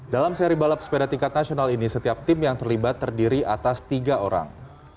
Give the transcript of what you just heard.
dalam seri balap sepeda tingkat nasional ini setiap tim yang terlibat terdiri atas tiga orang